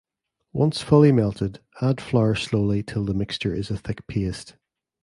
once fully melted add flour slowly till the mixture is a thick paste.